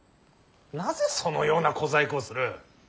なぜそのような小細工をする。